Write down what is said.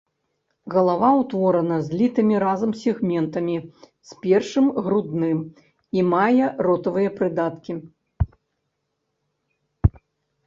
Галава ўтворана злітымі разам сегментамі з першым грудным і мае ротавыя прыдаткі.